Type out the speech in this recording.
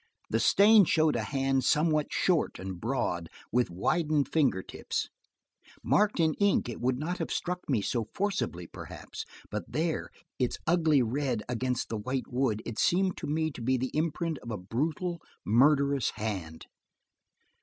The stain showed a hand somewhat short and broad, with widened finger tips; marked in ink, it would not have struck me so forcibly, perhaps, but there, its ugly red against the white wood, it seemed to me to be the imprint of a brutal, murderous hand.